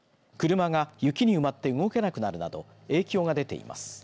車が雪に埋まって動けなくなるなど影響が出ています。